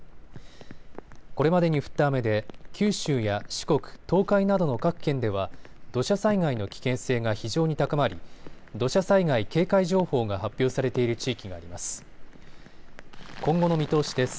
これまでに降った雨で九州や四国、東海などの各県では土砂災害の危険性が非常に高まり土砂災害警戒情報が発表されている地域があります。